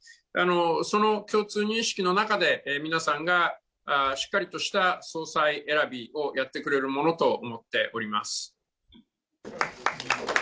その共通認識の中で皆さんが、しっかりとした総裁選びをやってくれるものと思っております。